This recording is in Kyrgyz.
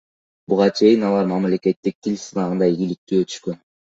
Буга чейин алар мамлекеттик тил сынагынан ийгиликтүү өтүшкөн.